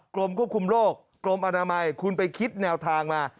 กรมควบคุมโรคกรมอนามัยคุณไปคิดแนวทางมา